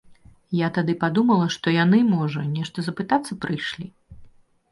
Я тады падумала, што яны, можа, нешта запытацца прыйшлі.